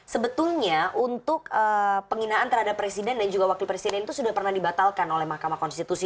sebetulnya untuk penghinaan terhadap presiden dan juga wakil presiden itu sudah pernah dibatalkan oleh mahkamah konstitusi